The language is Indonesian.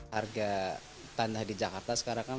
harga tanda di jakarta sekarang kan